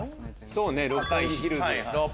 そうね。